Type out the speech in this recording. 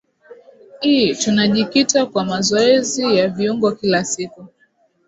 ii tunajikita kwa mazoezi ya viungo kila siku